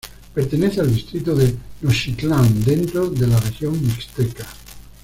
Pertenece al distrito de Nochixtlán, dentro de la región Mixteca.